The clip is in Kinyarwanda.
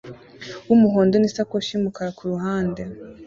wumuhondo nisakoshi yumukara kuruhande